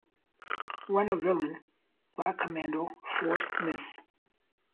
When a villain, Black Commando, forced Ms.